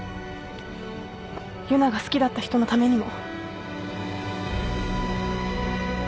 佑奈が好きだった人のためにも。